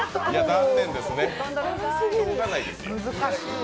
残念ですね、しょうがないですよ。